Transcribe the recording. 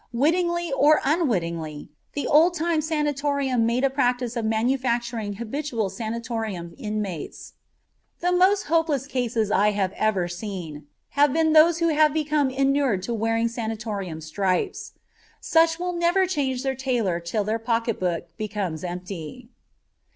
Wittingly or unwittingly, the old time sanatorium made a practice of manufacturing habitual sanatorium inmates. The most hopeless cases I have ever seen have been those who have become inured to wearing sanatorium stripes. Such will never change their tailor till their pocket book becomes empty.